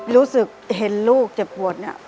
รู้สึกเห็นลูกเจ็บปวดเนี่ย